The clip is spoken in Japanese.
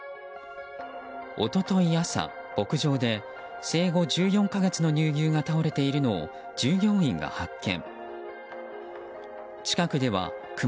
一昨日朝、牧場で生後１４か月の乳牛が倒れているのを従業員が発見。